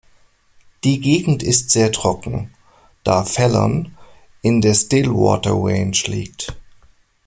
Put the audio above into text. Die Gegend ist sehr trocken, da Fallon in der Stillwater Range liegt.